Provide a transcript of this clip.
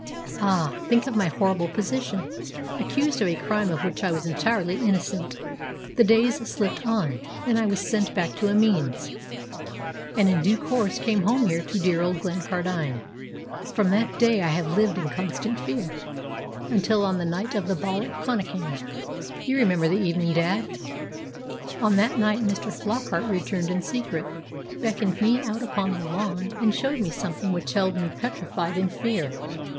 "Ah! think of my horrible position accused of a crime of which I was entirely innocent! The days slipped on, and I was sent back to Amiens, and in due course came home here to dear old Glencardine. From that day I have lived in constant fear, until on the night of the ball at Connachan you remember the evening, dad? on that night Mr. Flockart returned in secret, beckoned me out upon the lawn, and showed me something which held me petrified in fear.